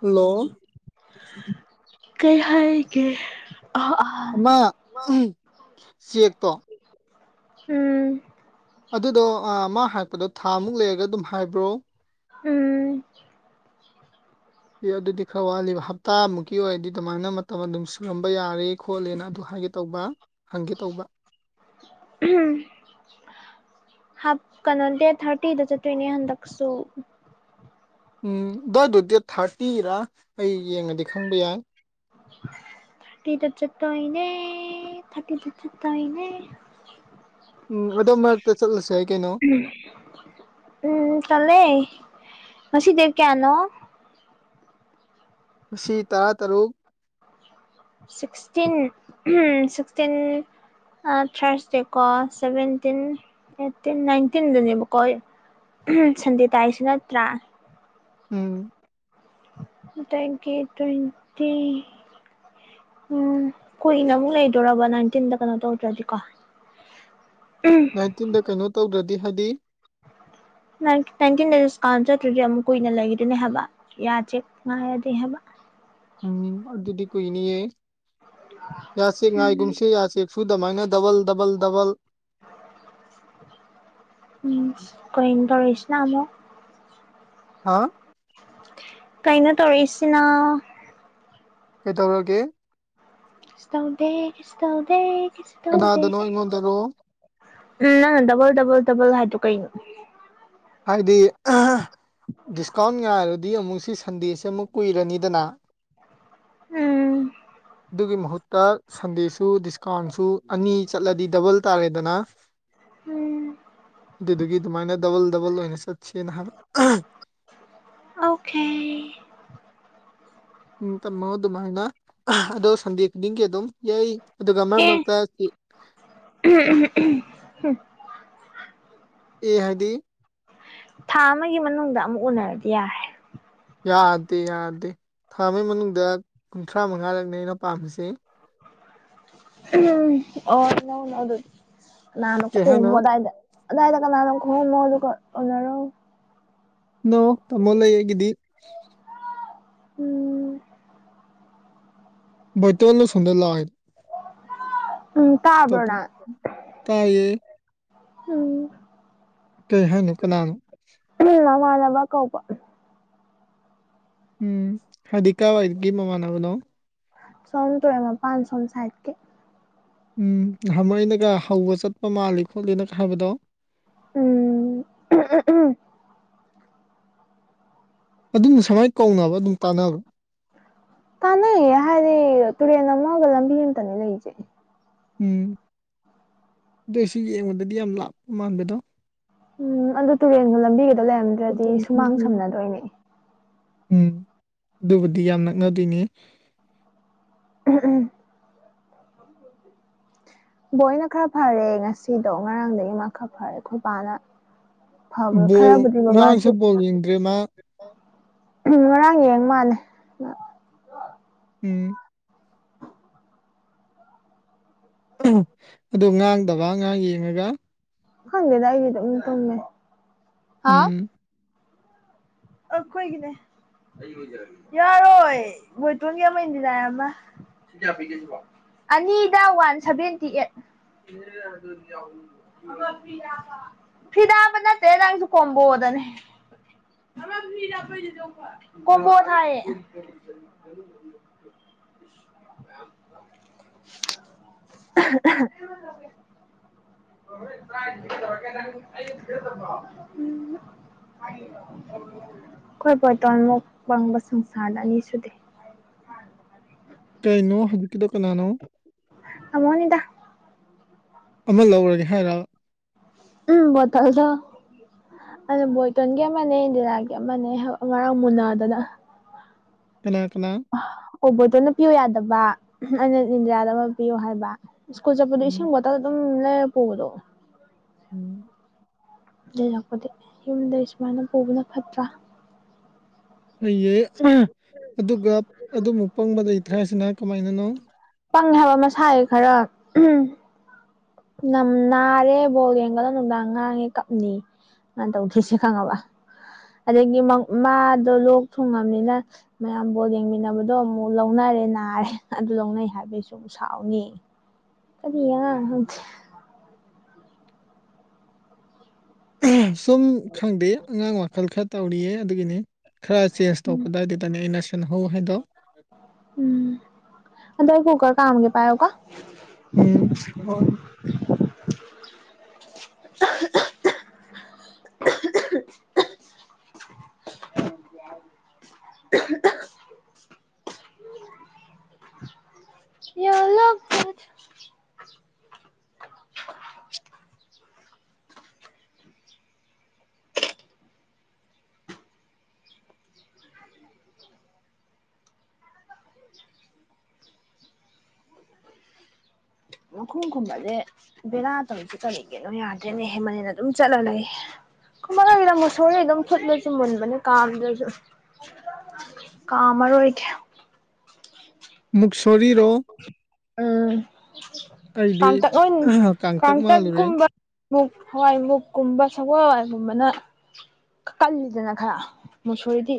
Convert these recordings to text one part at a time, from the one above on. Hello ꯀꯩ ꯍꯥꯏꯌꯦꯒꯦ ꯑ [unintelligible] ꯑꯃ ꯎꯝ ꯆꯦꯛꯇꯣ ꯎꯝ ꯑꯗꯨꯗꯣ ꯃꯥ ꯍꯥꯏꯔꯛꯄꯗꯣ ꯊꯥ ꯑꯃꯨꯛ ꯂꯩꯔꯒ ꯑꯗꯨꯝ ꯍꯥꯏꯕ꯭ꯔꯣ ꯎꯝ ꯑꯦ ꯑꯗꯨꯗꯤ ꯈꯔ ꯋꯥꯠꯂꯤꯕ ꯍꯞꯇꯥꯃꯨꯛꯀꯤ ꯑꯣꯏꯔꯗꯤ ꯑꯗꯨꯃꯥꯏꯅ ꯃꯇꯝ ꯑꯗꯨꯝ ꯁꯨꯔꯝꯕ ꯌꯥꯔꯦ ꯈꯣꯠꯂꯦꯅ ꯑꯗꯨ ꯍꯥꯏꯒ ꯇꯧꯕ ꯍꯪꯒꯦ ꯇꯧꯕ ꯎꯝ ꯍꯥꯞ ꯀꯩꯅꯣ ꯗꯦ ꯊꯥꯔꯇꯤꯗ ꯆꯠꯇꯅꯦ ꯍꯟꯗꯛꯁꯨ ꯎꯝ ꯑꯗꯨꯏꯗꯣ ꯗꯦꯠ ꯊꯥꯔꯇꯤꯔꯥ ꯑꯩ ꯌꯦꯡꯉꯗꯤ ꯈꯪꯕ ꯌꯥꯏ [inaudible] ꯊꯥꯔꯇꯤꯗ ꯆꯠꯇꯣꯢꯅꯦ ꯊꯥꯔꯇꯤ ꯇꯞ ꯆꯠꯇꯣꯢꯅꯦ ꯎꯝ ꯑꯗꯣꯝ ꯃꯔꯛꯇ ꯆꯠꯂꯁꯦ ꯀꯩꯅꯣ ꯎꯝ ꯆꯠꯂꯦ ꯉꯁꯤ ꯗꯦꯠ ꯀꯌꯥꯅꯣ ꯉꯁꯤ ꯇꯔꯥꯇꯔꯨꯛ ꯁꯤꯛꯁꯇꯤꯟ ꯎ ꯁꯤꯛꯁꯇꯤꯟ ꯊꯥꯔꯁ ꯗꯦꯀꯣ ꯁꯚꯦꯟꯇꯤꯟ ꯑꯩꯠꯇꯤꯟ ꯅꯥꯏꯟꯇꯤꯟꯗꯅꯦꯕꯀꯣ ꯎꯝ ꯁꯟꯗꯦ ꯇꯥꯔꯤꯁꯤ ꯅꯠꯇ꯭ꯔꯥ ꯎꯝ ꯑꯗꯩ ꯗꯦꯠ ꯇ꯭ꯋꯦꯟꯇꯤ ꯎꯝ ꯀꯨꯏꯅ ꯑꯃꯨꯛ ꯂꯩꯗꯣꯔꯔꯕ ꯅꯥꯏꯟꯇꯤꯟꯗ ꯀꯩꯅꯣ ꯇꯧꯗ꯭ꯔꯗꯤꯀꯣ ꯎꯝ ꯅꯥꯏꯟꯇꯤꯟꯗ ꯀꯩꯅꯣ ꯇꯧꯗ꯭ꯔꯗꯤ ꯍꯥꯏꯗꯤ ꯅꯥꯏꯟꯇꯤꯟ ꯗꯤꯁꯀꯥꯎꯟ ꯆꯠꯇ꯭ꯔꯗꯤ ꯑꯃꯨꯛ ꯀꯨꯏꯅ ꯂꯩꯗꯅꯦ ꯍꯥꯏꯕ ꯌꯥꯗꯦ ꯉꯥꯏꯔꯗꯤ ꯍꯥꯏꯕ ꯎꯝ ꯑꯗꯨꯗꯤ ꯀꯣꯏꯅꯤꯌꯦ ꯌꯥ ꯆꯦꯛ ꯎꯝ ꯉꯥꯏꯒꯨꯝꯁꯤ ꯌꯥ ꯆꯦꯛ ꯁꯨꯗꯃꯥꯏꯅ ꯗꯕꯜ ꯗꯕꯜ ꯗꯕꯜ ꯎꯝ ꯀꯩꯅꯣ ꯇꯧꯔꯛꯏꯁꯤꯅ ꯑꯃꯨꯛ꯫ ꯍꯥ ꯀꯩꯅꯣ ꯇꯧꯔꯛꯏꯁꯤꯅ꯫ ꯀꯩꯗꯧꯔꯒꯦ ꯀꯩꯁꯨ ꯇꯧꯗꯦ ꯀꯩꯁꯨ ꯇꯧꯗ‌ꯦ ꯀꯩꯁꯨ ꯇꯧꯗꯦ꯫ ꯀꯅꯥꯗꯅꯣ ꯑꯩꯉꯣꯟꯗꯔꯣ ꯎꯝ ꯅꯪꯅ ꯗꯕꯜ ꯗꯕꯜ ꯗꯕꯜ ꯍꯥꯏꯗꯣ ꯀꯩꯅꯣ ꯍꯥꯏꯗꯤ ꯗꯤꯁꯀꯥꯎꯟ ꯉꯥꯏꯔꯗꯤ ꯑꯃꯨꯛ ꯁꯤ ꯁꯟꯗꯦꯁꯤ ꯑꯃꯨꯛ ꯀꯨꯏꯔꯅꯤꯗꯅ ꯎꯝ ꯑꯗꯨꯒꯤ ꯃꯍꯨꯠꯇ ꯁꯟꯗꯦꯁꯨ ꯗꯤꯁꯀꯥꯎꯟꯁꯨ ꯑꯅꯤ ꯆꯠꯂꯗꯤ ꯗꯕꯜ ꯇꯥꯔꯦꯗꯅ ꯎꯝ ꯑꯗꯨꯗꯨꯒꯤ ꯗꯨꯃꯥꯏꯅ ꯗꯕꯜ ꯗꯕꯜ ꯑꯣꯏꯅ ꯆꯠꯁ‌ꯦꯅ ꯍꯥꯏꯕ ꯑꯣꯀꯦ ꯎꯝ ꯇꯝꯃꯣ ꯑꯗꯨꯃꯥꯏꯅ ꯑꯗꯣ ꯁꯟꯗꯦ ꯈꯨꯗꯤꯡꯒꯤ ꯑꯗꯨꯝ ꯌꯩ ꯑꯗꯨꯒ ꯃꯔꯛ ꯑꯦ ꯃꯔꯛꯇ [unintelligible] ꯑꯦ ꯍꯥꯏꯗꯤ ꯊꯥ ꯑꯃꯒꯤ ꯃꯅꯨꯡꯗ ꯑꯃꯨꯛ ꯎꯅꯔꯗꯤ ꯌꯥꯔꯦ ꯌꯥꯗꯦ ꯌꯥꯗꯦ ꯊꯥ ꯑꯃꯒꯤ ꯃꯅꯨꯡꯗ ꯀꯨꯟꯊ꯭ꯔꯥ ꯃꯉꯥꯔꯛꯅꯤ ꯑꯩꯅ ꯄꯥꯝꯃꯤꯖꯦ꯫ ꯎꯝ ꯑꯣ ꯅꯧꯅ ꯑꯗꯨ ꯅꯥꯟꯅ ꯀꯩ ꯍꯥꯏꯅꯣ ꯈꯨꯝꯃꯣ ꯑꯗꯥꯏꯗ꯫ ꯑꯗꯥꯏꯗ ꯀꯅꯥꯅ‌ꯣ ꯈ‌ꯣꯝꯃꯝꯃ‌ꯣ ꯑꯗꯨꯒ ꯎꯅꯔꯣ ꯅ‌ꯣ ꯇꯥꯃꯣ ꯂꯩ ꯑꯩꯒꯤꯗꯤ ꯎꯝ ꯕ‌ꯣꯏꯇ‌ꯣꯟꯗ‌ꯣ ꯁ‌ꯣꯝꯗ ꯂꯥꯡꯉ‌ꯦ [unintelligible] ꯎꯝ ꯇꯥꯕ꯭ꯔꯣ ꯅꯪ [unintelligible] ꯇꯥꯏꯌꯦ꯫ ꯎꯝ꯫ ꯀꯩ ꯍꯥꯏꯅꯣ ꯀꯅꯥꯅꯣ꯫ [unintelligible] ꯅꯃꯥꯟꯅꯕ ꯀꯧꯕ꯫ ꯎꯝ ꯍꯥꯏꯗꯤ ꯀꯥꯏꯋꯥꯏꯗꯒꯤ ꯃꯃꯥꯟꯅꯕꯅꯣ꯫ ꯑꯁꯣꯝ ꯇꯨꯔꯦꯟ ꯃꯄꯥꯟ ꯑꯁꯣꯝ ꯁꯥꯏꯠꯀꯤ꯫ ꯎꯝ ꯅꯍꯃꯨꯛ ꯑꯩꯅꯒ ꯍꯧꯕ ꯆꯠꯄ ꯃꯥꯜꯂꯤ ꯈꯣꯠꯂꯤꯅꯒ ꯍꯥꯏꯕꯗꯣ ꯎꯝ [unintelligible] ꯑꯗꯨꯝ ꯉꯁꯥꯏꯋꯥꯏ ꯀꯧꯅꯕ ꯑꯗꯨꯝ ꯇꯥꯟꯅꯕ꯭ꯔ ꯇꯥꯟꯅꯩꯌꯦ ꯍꯥꯏꯗꯤ ꯇꯨꯔꯦꯟ ꯑꯃꯒ ꯂꯝꯕꯤ ꯑꯃꯇꯪꯅꯦ ꯂꯩꯖꯦ꯫ ꯎꯝ ꯑꯗꯨꯏꯁꯨ ꯌꯦꯡꯕꯗꯗꯤ ꯌꯥꯝ ꯂꯥꯞꯄ ꯃꯥꯟꯕꯗꯣ꯫ ꯎꯝ ꯑꯗꯨ ꯇꯨꯔꯦꯟꯒ ꯂꯝꯕꯤꯒꯗꯣ ꯂꯩꯔꯝꯗ꯭ꯔꯗꯤ ꯁꯨꯃꯥꯡ ꯁꯝꯅꯗꯣꯏꯅꯦ ꯎꯝ ꯑꯗꯨꯕꯨꯗꯤ ꯌꯥꯝ ꯅꯛꯅꯗꯣꯏꯅꯦ꯫ [unintelligible] ꯕꯣꯏꯅ ꯈꯔ ꯐꯔꯦ ꯉꯁꯤꯗꯣ ꯉꯔꯥꯡꯗꯒꯤ ꯃꯥ ꯈꯔ ꯐꯔꯦ ꯈꯣꯏꯕꯥꯅ ꯐꯕ ꯕꯣꯜ ꯈꯔꯕꯨꯗꯤ ꯉꯔꯥꯡꯁꯨ ꯕꯕꯥꯁꯨ ꯕꯣꯜ ꯌꯦꯡꯗ꯭ꯔꯦ ꯃꯥ ꯎ ꯉꯔꯥꯡ ꯌꯦꯡ ꯃꯥꯜꯂꯦ ꯃꯥ ꯎꯝ ꯑꯗꯨ ꯉꯥꯡꯗꯕ ꯑꯉꯥꯡ ꯌꯦꯡꯉꯒ ꯈꯪꯗꯦꯗ ꯑꯩꯗꯤ ꯑꯗꯨꯝ ꯇꯨꯝꯃꯦ꯫ ꯎꯝ ꯑꯈꯣꯏꯒꯤꯅꯦ [unintelligible] ꯌꯥꯔꯣꯏ ꯕ‌ꯣꯏꯇꯣꯟꯒꯤ ꯑꯃ ꯏꯟꯗꯤꯔꯥꯏ ꯑꯃ ꯑꯅꯤꯗ ꯋꯥꯟ ꯁꯚꯦꯟꯇꯤ ꯑꯩꯠ [unintelligible] ꯐꯔꯤꯗꯥ ꯍꯥꯞꯄ ꯅꯠꯇꯦ ꯅꯪꯖꯨ ꯀꯣꯝꯕꯣꯗꯅꯦ꯫ [unintelligible] ꯀꯣꯝꯕꯣ ꯊꯥꯏꯌ‌ꯦ [inaudible] ꯑꯍꯝ ꯑꯍꯝ [unintelligible] [unintelligible] ꯑꯩꯈꯣꯏ ꯕꯣꯏꯇꯜꯃꯨꯛ ꯋꯥꯡꯕ ꯁꯪꯁꯥꯔꯗ ꯑꯅꯤ ꯁꯨꯗꯦ꯫ ꯀꯩꯅꯣ ꯍꯧꯖꯤꯛꯀꯤꯗꯣ ꯀꯅꯥꯅꯣ꯫ ꯑꯃꯣꯅꯤꯗ ꯑꯃ ꯂꯧꯔꯒꯦ ꯍꯥꯏꯔ ꯎꯝ ꯕꯣꯇꯜꯗꯣ ꯑꯗꯨꯗꯣ ꯕꯣꯇꯣꯟꯒꯤ ꯑꯃꯅꯦ ꯏꯟꯗꯤꯔꯥꯒꯤ ꯑꯃꯅꯦ ꯉꯔꯥꯡ ꯃꯨꯅꯥꯗꯅ ꯀꯅꯥ ꯀꯅꯥ ꯑꯣꯕꯣꯇꯣꯅ ꯄꯤꯌꯨ ꯌꯥꯗꯕ ꯑꯩꯅ ꯏꯟꯗ꯭ꯔꯌꯥꯗ ꯑꯃ ꯄꯤꯌꯣ ꯍꯥꯏꯕ ꯁ꯭ꯀꯨꯜ ꯆꯠꯄꯗ ꯎꯝ ꯏꯁꯤꯡ ꯕꯣꯇꯜ ꯑꯗꯨꯝ ꯂꯩꯔ ꯄꯨꯕꯗꯣ ꯎꯝ ꯂꯩꯔꯛꯄꯗꯤ ꯌꯨꯝꯗꯩ ꯁꯨꯃꯥꯏꯅ ꯄꯨꯕꯅ ꯐꯠꯇ꯭ꯔꯥ ꯐꯩꯌꯦ ꯑꯗꯨꯒ ꯑꯗꯨꯃꯨꯛ ꯄꯪꯕꯗ ꯊꯁꯤꯅ ꯀꯃꯥꯏꯅꯅꯣ ꯄꯪꯉꯦ ꯍꯥꯏꯕ ꯃꯁꯥꯏ ꯈꯔ ꯎ ꯅꯝ ꯅꯥꯔꯦ ꯕꯣꯜ ꯌꯦꯡꯒꯠꯗꯣ ꯅꯨꯡꯗꯥꯡ ꯉꯥꯡꯉꯦ ꯀꯞꯅꯤ ꯇꯧꯈꯤꯁꯦ ꯈꯪꯉꯕ ꯑꯗꯒꯤ ꯃꯥꯗꯣ ꯂꯣꯛ ꯊꯨꯡꯉꯕꯅꯤꯅ ꯃꯌꯥꯝꯕꯨ ꯌꯦꯡꯃꯤꯟꯅꯕꯗꯣ ꯑꯃꯨꯛ ꯂꯧꯅꯔꯦ ꯅꯥꯔꯦ ꯑꯗꯨ ꯂꯧꯅꯩ ꯍꯥꯏꯕꯩꯁꯨ ꯑꯃꯨꯛ ꯁꯥꯎꯅꯤ ꯀꯔꯤꯌꯥ ꯍꯧꯗꯤ ꯁꯨꯝ ꯈꯪꯗꯦ ꯑꯉꯥꯡ ꯋꯥꯈꯜ ꯈꯔ ꯇꯧꯔꯤꯌꯦ ꯑꯗꯨꯒꯤꯅꯤ ꯈꯔ ꯆꯦꯟꯖ ꯇꯧꯄ ꯑꯗꯨꯋꯥꯏꯗꯨꯗꯅꯦ ꯑꯩꯅ ꯁꯤꯟꯍꯧ ꯍꯥꯏꯗꯣ ꯎꯝ ꯑꯗ ꯀꯨꯀꯔ ꯀꯥꯒꯦ ꯄꯥꯏꯣꯒ ꯎꯝ ꯍ [inaudible] ꯑꯂꯛ ꯀꯝ ꯀꯨꯝꯝꯕꯗꯦ ꯕꯦꯔꯥ ꯇꯧꯔꯤꯁꯦ ꯀꯔꯤꯒꯤꯅꯣ ꯌꯥꯗ꯭ꯔꯦꯅꯦꯍꯦ ꯃꯅꯦꯅ ꯑꯗꯨꯝ ꯆꯠꯂ ꯂꯩ ꯀꯃꯣꯏꯒꯤꯗ ꯃꯨꯁꯣꯔ ꯑꯗꯨꯝ ꯐꯨꯠꯂꯁꯨ ꯃꯨꯟꯕꯅ ꯀꯥꯝꯗ꯭ꯔꯁꯨ ꯀꯥꯝꯃꯔꯣꯏꯒꯦ ꯃꯨꯛꯁꯣꯔꯤꯔꯣ ꯎꯝ ꯑꯩꯗꯤ ꯀꯥꯡꯇꯛ ꯀꯥꯡꯇꯛ ꯃꯥꯜꯂꯨꯔꯦ ꯀꯥꯡꯇꯛꯀꯨꯝꯕ ꯃꯨꯛ ꯍꯋꯥꯏꯃꯨꯛꯀꯨꯝꯕ ꯁꯒꯣꯜ ꯍꯋꯥꯏꯒꯨꯝꯕꯅ ꯀꯜꯂꯗꯅ ꯈꯔ ꯃꯨꯁꯨꯔꯤꯗꯤ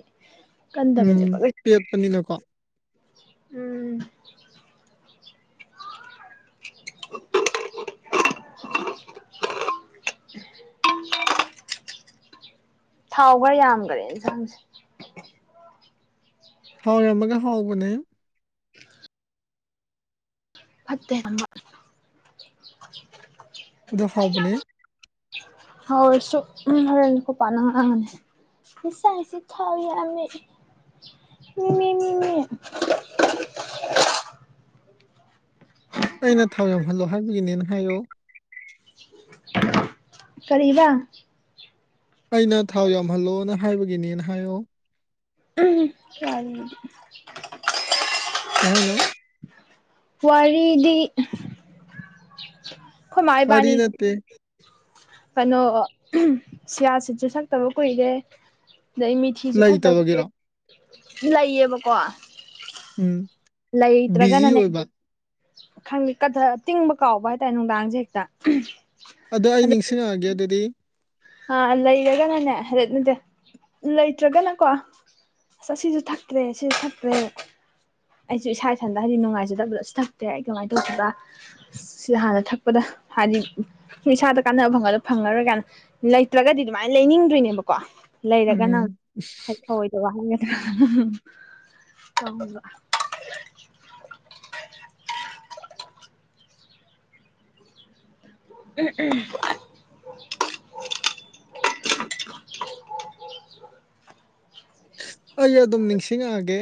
ꯀꯗꯕꯅꯦ ꯎꯝ ꯄꯦꯠꯄꯅꯤꯅꯀꯣ ꯎꯝ [inaudible] ꯊꯥꯎ ꯈꯔ ꯌꯥꯝꯈꯔꯦ ꯏꯟꯁꯥꯡꯁꯦ ꯊꯥꯎꯔꯝꯃꯒ ꯍꯥꯎꯕꯅꯦ ꯐꯠꯇꯃ ꯑꯗꯨ ꯍꯥꯎꯕꯅꯦ ꯍ ꯁ ꯍꯔ ꯄꯥꯟ ꯃꯤꯁꯁꯤ ꯊꯥꯎ ꯑꯃ ꯃꯤꯃꯤꯅꯤꯃꯤ ꯑꯩꯅ ꯊꯥꯎ ꯌꯥꯝꯍꯜꯂꯣ ꯍꯥꯏꯕꯒꯤꯅꯦꯅ ꯍꯥꯏꯌꯣ ꯀꯕ ꯑꯩꯅ ꯊꯥꯎ ꯌꯥꯝꯍꯜꯂꯣꯅ ꯍꯥꯏꯕꯒꯤꯅꯦꯅ ꯍꯥꯏꯌꯣ ꯐꯗꯤ ꯍꯜꯂꯣ ꯋꯥꯔꯤꯗꯤ ꯃꯥ ꯐꯔꯤ ꯏꯕꯥꯅꯤꯁꯦ ꯅꯠꯇꯦ ꯀꯩꯅꯣ ꯁꯤꯌꯥꯁꯤꯠꯁꯨ ꯁꯛꯇꯕ ꯀꯨꯏꯔꯦ ꯑꯗꯩ ꯃꯤ ꯁꯤꯁꯨ ꯊꯛꯇ ꯂꯩꯇꯕꯒꯤꯔꯣ ꯂꯩꯌꯦꯕꯀꯣ ꯎꯝ ꯕꯤꯖꯤ ꯂꯩꯇ꯭ꯔꯒꯅꯅꯦ ꯑꯣꯏꯕ ꯈꯪꯗꯦ ꯀꯊ ꯇꯤꯡꯕ ꯀꯥꯎꯕ ꯍꯥꯏꯇꯥꯔꯦ ꯅꯨꯡꯗꯥꯡꯁꯦ ꯍꯦꯛꯇ ꯑꯗꯣ ꯑꯩ ꯅꯤꯡꯁꯤꯡꯉꯛꯑꯒꯦ ꯑꯗꯨꯗꯤ ꯑ ꯂꯩꯔꯒꯅꯅꯦ ꯍꯥꯏꯔꯦꯠ ꯅꯗꯤꯦ ꯂꯩꯇ꯭ꯔꯒꯅꯀꯣ ꯑꯁ ꯁꯤꯁꯨ ꯊꯛꯇ꯭ꯔꯦ ꯁꯤꯁꯨ ꯊꯛꯇ꯭ꯔꯦ ꯑꯩꯁꯨ ꯏꯁꯥ ꯏꯊꯟꯗ ꯍꯥꯏꯗꯤ ꯅꯨꯡꯉꯥꯏꯖꯗꯕꯗꯣꯁꯨ ꯊꯛꯇꯦ ꯑꯩ ꯀꯃꯥꯏ ꯇꯧꯈꯤꯕ ꯁꯤꯗ ꯍꯥꯟꯅ ꯊꯛꯄꯗ ꯍꯥꯏꯗꯤ ꯏꯁꯥꯗ ꯀꯥꯟꯅꯕ ꯐꯪꯒꯂ ꯐꯪꯉꯔꯣꯏ ꯀꯥꯏꯅ ꯂꯩꯇ꯭ꯔꯒꯗꯤ ꯑꯗꯨꯃꯥꯏꯅ ꯂꯩꯅꯤꯡꯗꯣꯏꯅꯦꯕꯀꯣ ꯂꯩꯔ ꯀꯅꯥ [unintelligible] ꯍꯑꯣꯣꯏꯗꯧꯕ ꯍꯥꯏꯒꯗ꯭ꯔꯥ ꯊ [unintelligible] ꯎꯝ ꯎꯝ ꯑꯩ ꯑꯗꯨꯝ ꯅꯤꯡꯁꯤꯡꯉꯛꯑꯒꯦ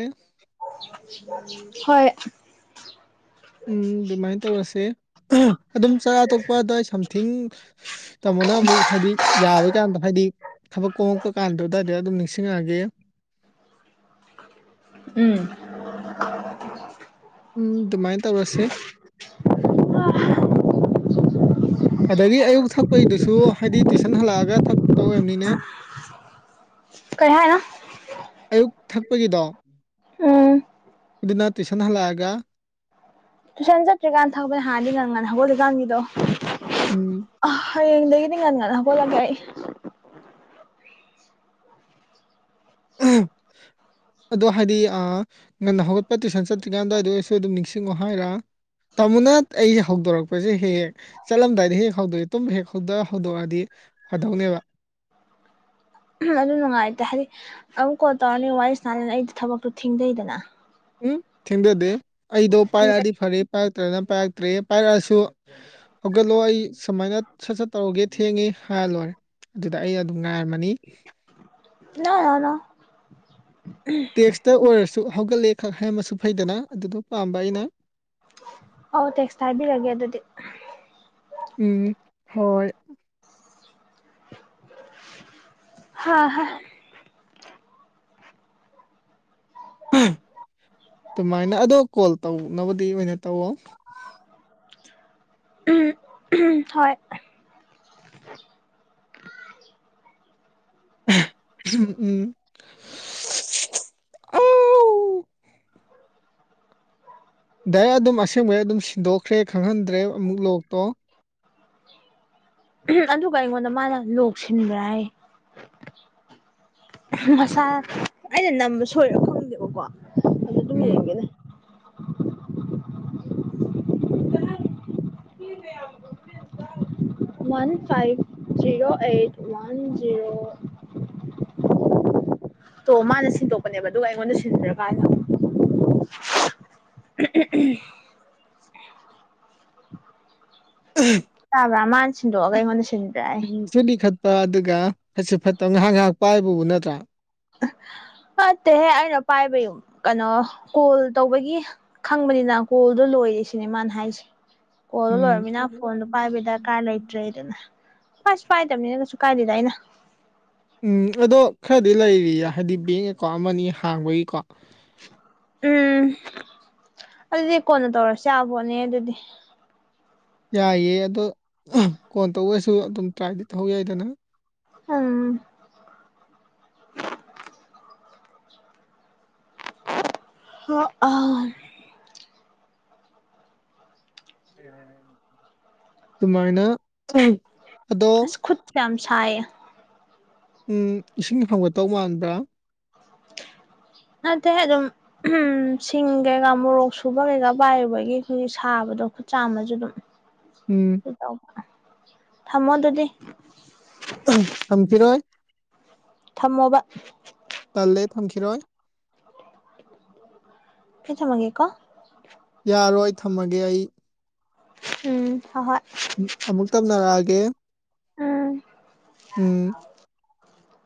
ꯍꯣꯏ ꯎꯝ ꯑꯗꯨꯃꯥꯏꯅ ꯇꯧꯔꯁꯦ ꯑꯗꯨꯝ ꯆꯔꯥ ꯊꯛꯄ ꯑꯗꯨꯗꯋꯥꯏ ꯁꯝꯊꯤꯡ ꯇꯥꯃꯣꯅ ꯑꯃꯨꯛ ꯍꯥꯏꯗꯤ ꯌꯥꯕ ꯀꯥꯟꯗ ꯍꯥꯏꯗꯤ ꯊꯕꯛ ꯀꯣꯝꯃꯛꯄ ꯀꯥꯟꯗ ꯑꯗꯨꯋꯥꯏꯗ ꯑꯗꯨꯝ ꯅꯤꯡꯁꯤꯡꯉꯛꯑꯒꯦ ꯎꯝ ꯎꯝ ꯑꯗꯨꯃꯥꯏꯅ ꯇꯧꯔꯁꯦ ꯑꯗꯒꯤ ꯑꯌꯨꯛ ꯊꯛꯄꯒꯤꯗꯨꯁꯨ ꯍꯥꯏꯗꯤ ꯇꯨꯏꯁꯟ ꯍꯜꯂꯛꯑꯒ ꯊꯛꯄ ꯇꯧꯕꯅꯤꯅꯦ [inaudible] ꯀꯌꯥꯅ ꯑꯌꯨꯛ ꯊꯛꯄꯒꯤꯗꯣ ꯎꯝ ꯑꯗꯨꯅ ꯇꯨꯏꯁꯟ ꯍꯜꯂꯛꯑꯒ ꯇꯨꯏꯁꯟ ꯆꯠꯇ꯭ꯔꯤꯀꯥꯟꯗ ꯊꯛꯄꯅꯦ ꯍꯥꯟꯗꯤ ꯉꯪꯒꯅ ꯍꯧꯒꯠꯂꯤꯀꯥꯟꯒꯤꯗꯣ ꯎꯝ ꯑ ꯍꯌꯦꯡꯗꯒꯤꯗꯤ ꯉꯟ ꯉꯟꯅ ꯍꯣꯠꯂꯒꯦ ꯑꯩ ꯎ ꯑꯗꯣ ꯍꯥꯏꯗꯤ ꯉꯟꯅ ꯍꯧꯒꯠꯄ ꯇꯨꯏꯁꯟ ꯆꯠꯇ꯭ꯔꯤꯀꯥꯟꯗ ꯑꯩꯗꯣ ꯑꯩꯔꯁꯨ ꯑꯗꯨꯝ ꯅꯤꯡꯁꯤꯡꯉꯣ ꯍꯥꯏꯔ ꯇꯥꯃꯣꯅꯥꯠ ꯑꯩꯁꯦ ꯍꯧꯗꯣꯔꯛꯄꯁꯦ ꯍꯦꯛ ꯍꯦꯛ ꯆꯠꯂꯝꯗꯥꯏꯗꯤ ꯍꯦꯛ ꯍꯧꯗꯣꯛꯑꯦ ꯇꯨꯝ ꯍꯦꯛ ꯍꯧꯗ ꯍꯧꯗꯣꯛꯑꯗꯤ ꯐꯗꯧꯅꯦꯕ ꯑꯗꯨ ꯅꯨꯡꯉꯥꯏꯇꯦ ꯍꯥꯏꯗꯤ ꯑꯃꯨꯛ ꯀꯣꯜ ꯇꯧꯔꯅꯤ ꯋꯥꯔꯤꯁꯅꯥꯅꯤꯅ ꯑꯩꯗꯤ ꯊꯕꯛꯇꯣ ꯊꯤꯡꯖꯩꯗꯅ ꯎꯝ ꯊꯦꯡꯖꯗꯦ ꯑꯩꯗꯣ ꯄꯥꯏꯔꯛꯑꯗꯤ ꯐꯔꯦ ꯄꯥꯏꯔꯛꯇ꯭ꯔꯅ ꯄꯥꯏꯔꯛꯇ꯭ꯔꯦ ꯄꯥꯏꯔꯛꯑꯁꯨ ꯍꯧꯒꯠꯂꯣ ꯑꯩ ꯁꯨꯃꯥꯏꯅ ꯁꯠ ꯁꯠ ꯇꯧꯔꯨꯒꯦ ꯊꯦꯡꯉꯦ ꯍꯥꯏꯜ ꯂꯣꯏꯔꯦ ꯑꯗꯨꯗ ꯑꯩ ꯑꯗꯨꯝ ꯉꯥꯏꯔꯝꯃꯅꯤ ꯅ ꯇꯦꯛꯁꯇ ꯑꯣꯏꯔꯁꯨ ꯍꯧꯒꯠꯂꯦ ꯈꯛ ꯍꯥꯏꯔꯝꯃꯁꯨ ꯐꯩꯗꯅ ꯑꯗꯨꯗꯣ ꯄꯥꯝꯕ ꯑꯩꯅ ꯑꯧ ꯇꯦꯛꯁ ꯍꯥꯏꯕꯤꯔꯒꯦ ꯑꯗꯨꯗꯤ ꯎꯝ ꯍꯣꯏ ꯍꯥ ꯍꯥ ꯑꯗꯨꯃꯥꯏꯅ ꯑꯗꯣ ꯀꯣꯜ ꯇꯧꯅꯕꯗꯤ ꯑꯣꯏꯅ ꯇꯧꯋꯣ ꯎꯝ ꯍꯣꯏ ꯎꯝ ꯎꯝ ꯑꯥꯎ ꯗꯥꯏꯔ ꯑꯗꯨꯝ ꯑꯁꯦꯡꯕꯩ ꯑꯗꯨꯝ ꯁꯤꯟꯗꯣꯛꯈ꯭ꯔꯦ ꯈꯪꯍꯟꯗ꯭ꯔꯦ ꯑꯃꯨꯛ ꯂꯣꯛꯇꯣ ꯑꯗꯨꯒ ꯑꯩꯉꯣꯟꯗ ꯃꯥꯅ ꯂꯣꯛꯁꯤꯟꯕ꯭ꯔꯥ ꯍꯥꯏ ꯃꯁꯥ ꯑꯩꯅ ꯅꯝꯕ ꯁꯣꯏꯔ ꯈꯪꯗꯦꯕꯀꯣ ꯑꯗꯨꯣ ꯑꯗꯨꯝ ꯎꯝ ꯌꯦꯡꯒꯦꯅꯦ [unintelligible] ꯋꯥꯟ ꯐꯥꯏꯚ ꯔꯣ ꯑꯩꯠ ꯋꯥꯟ ꯖꯤꯔꯣ ꯑꯣ ꯃꯥꯅ ꯁꯤꯟꯗꯣꯛꯄꯅꯦꯕ ꯑꯗꯨꯒ ꯑꯩꯉꯣꯟꯗ ꯁꯤꯟꯗ꯭ꯔ ꯀꯥꯏꯅ [unintelligible] [inaudible] ꯎ ꯇꯥꯕ꯭ꯔꯥ ꯃꯥꯅ ꯁꯤꯟꯗꯣꯛꯑꯒ ꯑꯩꯉꯣꯟꯗ ꯁꯤꯟꯕꯤꯔꯛꯑꯦ ꯆꯨꯂꯤ ꯈꯠꯄ ꯑꯗꯨꯒ ꯐꯠꯁꯤ ꯐꯠꯇꯕ ꯉꯥꯏꯍꯥꯛ ꯉꯥꯏꯍꯥꯛ ꯄꯥꯏꯕꯕꯨ ꯅꯠꯇ꯭ꯔꯥ [inaudible] ꯐꯠꯇꯦꯍꯦ ꯑꯩꯅ ꯄꯥꯏꯕ ꯌꯨꯝ ꯀꯩꯅꯣ ꯀꯣꯜ ꯇꯧꯕꯒꯤ ꯈꯪꯕꯅꯤꯅ ꯀꯣꯜꯗꯣ ꯂꯣꯏꯔꯦ ꯁꯤꯅꯦ ꯃꯥꯅ ꯍꯥꯏꯔꯤꯁꯦ ꯀꯣꯜꯗꯨ ꯎꯝ ꯂꯣꯏꯔꯝꯃꯤꯅ ꯐꯣꯟꯗꯨ ꯄꯥꯏꯕ ꯗꯔꯀꯥꯔ ꯂꯩꯇ꯭ꯔꯦꯗꯅ ꯐ ꯐꯥꯏꯗꯝꯕꯅꯤꯅ ꯀꯁꯨ ꯀꯥꯏꯗꯤꯗꯥꯏꯩꯅ ꯎꯝ ꯑꯗꯣ ꯈꯔꯗꯤ ꯂꯩꯔꯤꯌꯦ ꯍꯥꯏꯗꯤ ꯕꯦꯡ ꯑꯦꯀꯥꯎꯟ ꯑꯃꯅꯤ ꯍꯥꯡꯕꯒꯤꯀꯣ ꯎꯝ ꯑꯗꯨꯗꯤ ꯀꯣꯟꯅ ꯇꯧꯔꯁꯤ ꯌꯥꯕꯣꯠꯅꯦ ꯑꯗꯨꯗꯤ ꯌꯥꯏꯌꯦ ꯑꯗꯣ ꯀꯣꯟ ꯇꯧꯔꯁꯨ ꯑꯗꯨꯝ ꯇ꯭ꯔꯥꯏꯗꯤ ꯇꯧ ꯌꯥꯏꯗꯅ ꯑꯝ ꯍ ꯑꯥ ꯇꯨꯃꯥꯏꯅ ꯑꯁ ꯈꯠ ꯆ ꯌꯥꯝꯁꯑꯌꯦ ꯎꯝ ꯏꯁꯤꯡ ꯐꯪꯒꯠꯇꯧ ꯃꯥꯟꯕ꯭ꯔꯥ ꯑꯗ ꯑꯗꯨꯝ ꯎꯝ ꯁꯤꯡ ꯀꯩꯀꯥ ꯃꯣꯔꯣꯛ ꯁꯨꯕ ꯀꯩꯀꯥ ꯄꯥꯏꯨꯕꯒꯤ ꯑꯩꯈꯣꯏ ꯁꯥꯕꯗꯣ ꯈꯨꯠ ꯆꯥꯝꯃꯁꯨ ꯑꯗꯨꯝ ꯎꯝ ꯊꯝꯃꯣ ꯑꯗꯨꯗꯤ ꯊꯝꯈꯤꯔꯣꯏ ꯊꯝꯃꯣꯕ ꯇꯜꯂꯦ ꯊꯝꯈꯤꯔꯣꯏ ꯀꯆ ꯃꯒꯦꯀꯣ ꯌꯥꯔꯣꯏ ꯊꯝꯃꯒꯦ ꯑꯩ ꯎꯝ ꯍꯍꯣꯏ ꯑꯃꯨꯛ ꯇꯝꯅꯔꯛꯑꯒꯦ ꯎꯝ ꯎꯝ